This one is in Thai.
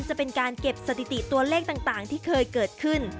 จะเป็นการเก็บสถิติตัวเลขต่างที่เคยเกิดขึ้น